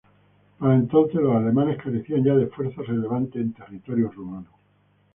Para entonces los alemanes carecían ya de fuerzas relevantes en territorio rumano.